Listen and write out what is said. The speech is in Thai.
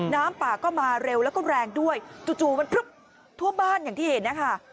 น้ำป่าก็มาเร็วแล้วก็แรงด้วยจู่มันพลึบทั่วบ้านอย่างที่เห็นนะคะ